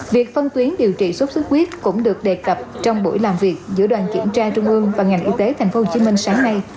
việc phân tuyến điều trị sốt xuất huyết cũng được đề cập trong buổi làm việc giữa đoàn kiểm tra trung ương và ngành y tế tp hcm sáng nay